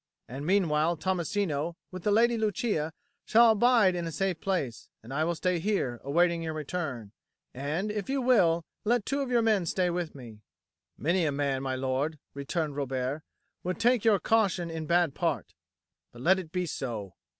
And meanwhile Tommasino, with the Lady Lucia, shall abide in a safe place, and I will stay here, awaiting your return; and, if you will, let two of your men stay with me." "Many a man, my lord," returned Robert, "would take your caution in bad part. But let it be so.